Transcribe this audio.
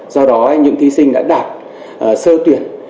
do đó những thí sinh đã đạt sơ tuyển